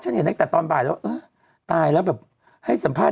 ฉันเห็นตั้งแต่ตอนบ่ายแล้ว